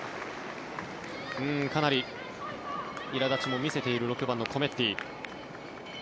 かなりいら立ちも見せている６番のコメッティ。